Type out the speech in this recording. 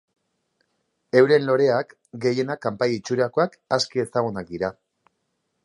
Euren loreak, gehienak kanpai itxurakoak, aski ezagunak dira.